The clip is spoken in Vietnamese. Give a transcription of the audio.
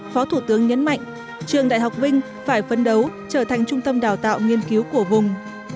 phó thủ tướng nhấn mạnh trường đại học vinh phải phấn đấu trở thành trung tâm đào tạo nghiên cứu của vùng